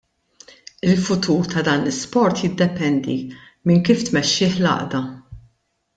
Il-futur ta' dan l-isport jiddependi minn kif tmexxih l-għaqda.